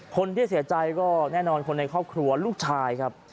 คนที่เสียใจก็แน่นอนคนในครอบครัวลูกชายครับ